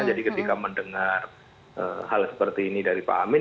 jadi ketika mendengar hal seperti ini dari pak amin